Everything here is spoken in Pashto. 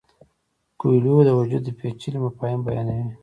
کویلیو د وجود پیچلي مفاهیم بیانوي.